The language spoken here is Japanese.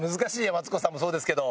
マツコさんもそうですけど。